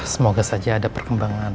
semoga saja ada perkembangan